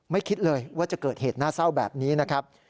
คิดเลยว่าจะเกิดเหตุน่าเศร้าแบบนี้นะครับ